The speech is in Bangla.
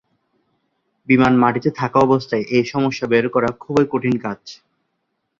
বিমান মাটিতে থাকা অবস্থায় এই সমস্যা বের করা খুবই কঠিন কাজ।